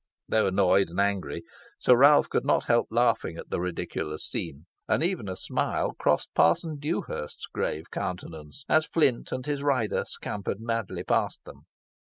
Though annoyed and angry, Sir Ralph could not help laughing at the ridiculous scene, and even a smile crossed Parson Dewhurst's grave countenance as Flint and his rider scampered madly past them.